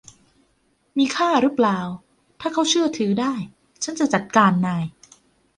มีค่ารึเปล่า ถ้าเขาเชื่อถือได้ ฉันจะจัดการนาย